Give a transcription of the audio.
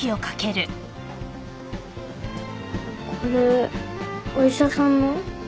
これお医者さんの？